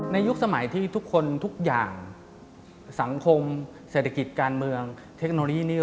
ยุคสมัยที่ทุกคนทุกอย่างสังคมเศรษฐกิจการเมืองเทคโนโลยีนี้